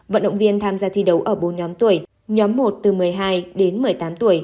vận động viên tham gia thi đấu ở bốn nhóm tuổi nhóm một từ một mươi hai đến một mươi tám tuổi